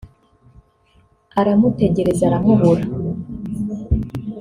aramutegereza aramubura